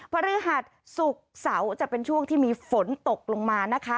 พฤหัสศุกร์เสาร์จะเป็นช่วงที่มีฝนตกลงมานะคะ